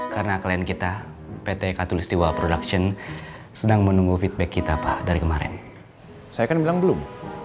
carilah teman hidup yang bisa biar kamu tersenyum